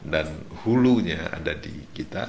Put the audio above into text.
dan hulunya ada di kita